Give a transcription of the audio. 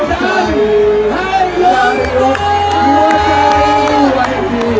ที่ต้องกินที่เกินที่ต้องกินที่เกิน